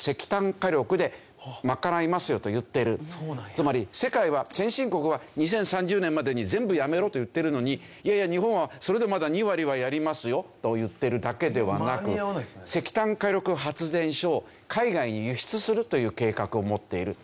つまり世界は先進国は２０３０年までに全部やめろと言ってるのにいやいや日本はそれでもまだ２割はやりますよと言ってるだけではなく石炭火力発電所を海外に輸出するという計画を持っている。